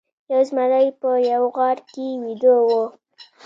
یو زمری په یوه غار کې ویده و.